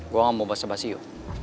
gua nggak mau bahasa basio